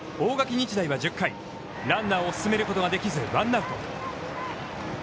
日大は１０回、ランナーを進めることができずワンアウト。